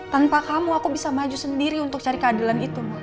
tanpa kamu aku bisa maju sendiri untuk cari keadilan itu